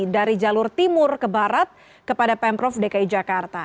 dari jalur timur ke barat kepada pemprov dki jakarta